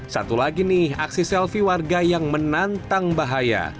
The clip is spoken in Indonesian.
satu lagi nih aksi selfie warga yang menantang bahaya